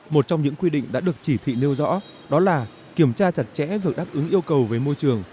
một trong những quy định đã được chỉ thị nêu rõ đó là kiểm tra chặt chẽ việc đáp ứng yêu cầu về môi trường